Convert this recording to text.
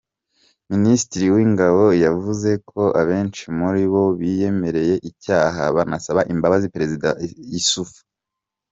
Minisitiri w’Ingabo yavuze ko abenshi muri bo biyemereye icyaha banasaba imbabazi perezida Issoufou.